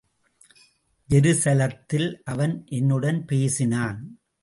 ஜெருசலத்தில் அவன் என்னுடன் பேசினான்.